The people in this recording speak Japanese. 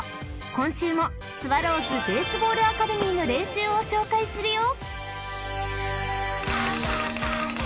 今週もスワローズベースボールアカデミーの練習を紹介するよ］